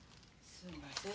すいません。